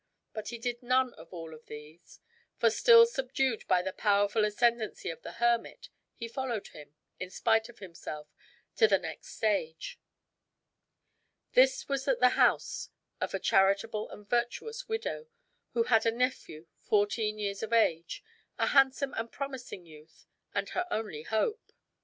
But he did none of all of these, for still subdued by the powerful ascendancy of the hermit, he followed him, in spite of himself, to the next stage. This was at the house of a charitable and virtuous widow, who had a nephew fourteen years of age, a handsome and promising youth, and her only hope.